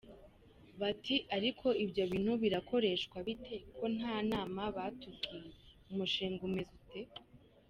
Bati ariko ibyo bintu birakoreshwa bite? Ko nta nama batubwiye? Umushinga umeze ute?.